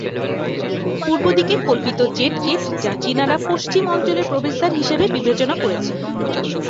পূর্বদিকে কল্পিত jade gate যা চীনারা পশ্চিম অঞ্চলের প্রবেশদ্বার হিসাবে বিবেচনা করেছিল।